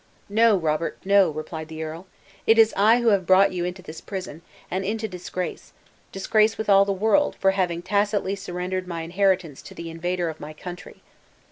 "No, Robert, no," replied the earl; "it is I who have brought you into this prison, and into disgrace; disgrace with all the world, for having tacitly surrendered my inheritance to the invader of my country.